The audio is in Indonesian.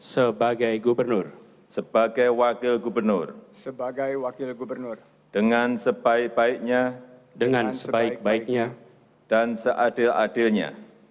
sebagai wakil gubernur dengan sebaik baiknya dan seadil adilnya